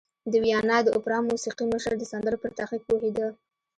د ویانا د اوپرا موسیقي مشر د سندرو پر تخنیک پوهېده